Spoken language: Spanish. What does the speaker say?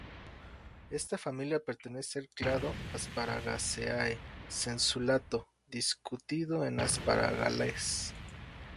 Esta familia pertenece al clado Asparagaceae "sensu lato", discutido en Asparagales.